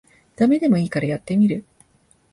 ダメでもいいからやってみる